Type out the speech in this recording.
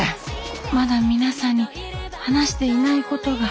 まだ皆さんに話していないことが。